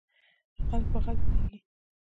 ـ غل په غل پوهېږي.